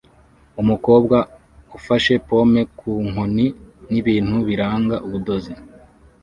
Umukobwa ufashe pome ku nkoni nibintu biranga Ubudozi